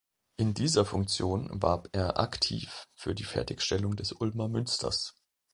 In dieser Funktion warb er aktiv für die Fertigstellung des Ulmer Münsters.